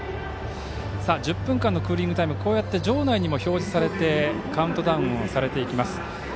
１０分間のクーリングタイムは場内にも表示されてカウントダウンされていきます。